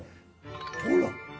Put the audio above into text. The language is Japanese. ほら！